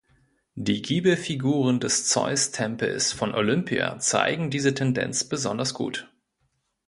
Die Giebelfiguren des Zeustempels von Olympia zeigen diese Tendenz besonders gut.